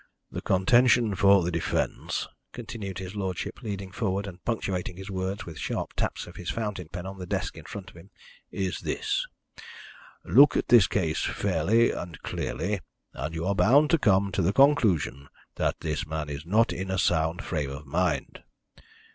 "The contention for the defence," continued his lordship, leaning forward and punctuating his words with sharp taps of his fountain pen on the desk in front of him, "is this: 'Look at this case fairly and clearly, and you are bound to come to the conclusion that this man is not in a sound frame of mind.'